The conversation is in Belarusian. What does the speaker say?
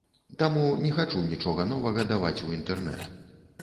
Таму не хачу нічога новага даваць у інтэрнэт.